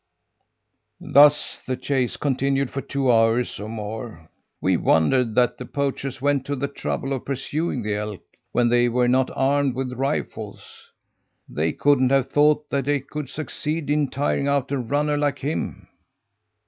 "Thus the chase continued for two hours or more. We wondered that the poachers went to the trouble of pursuing the elk when they were not armed with rifles. They couldn't have thought that they could succeed in tiring out a runner like him!